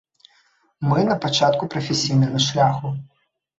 Мы на пачатку прафесійнага шляху.